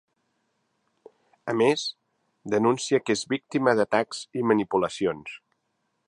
A més, denuncia que és víctima d’atacs i manipulacions.